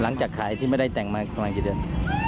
หลังจากขายที่ไม่ได้แต่งมาประมาณกี่เดือน